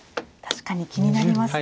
確かに気になりますね。